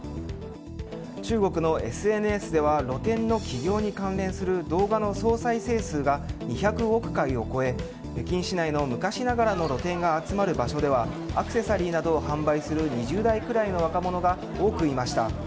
中国のＳＮＳでは露店の起業に関連する動画の総再生数が２００億回を超え北京市内の昔ながらの露店が集まる場所ではアクセサリーなどを販売する２０代くらいの若者が多くいました。